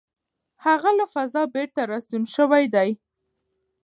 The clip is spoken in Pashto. هغه له فضا بېرته راستون شوی دی.